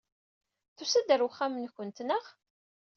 Tusa-d ɣer uxxam-nwent, naɣ?